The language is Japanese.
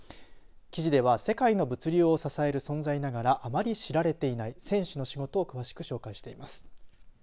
記事では世界の物流を支える存在ながらあまり知られていない船主の仕事を詳しく紹介しています。